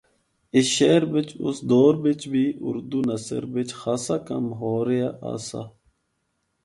اس شہر بچ اُس دور بچ بھی اُردو نثر بچ خاصا کم ہو رہیا آسا۔